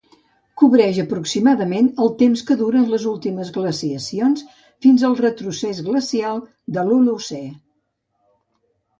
Cobreix, aproximadament, el temps que duraren les últimes glaciacions, fins al retrocés glacial de l'Holocè.